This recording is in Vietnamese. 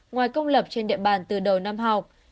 ngoài công lập trên địa bàn từ đầu năm học